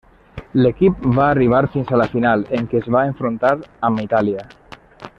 L'equip va arribar fins a la final, en què es va enfrontar amb Itàlia.